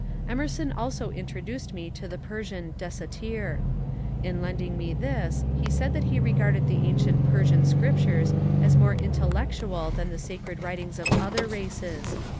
Emerson also introduced me to the Persian '^ Desatir." In lending me this he said that he regarded the ancient Persian scriptures as more intellectual than the sacred writings of other races.